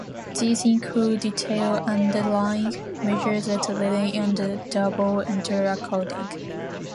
These include detailed underlying measures that rely on double-entry accounting.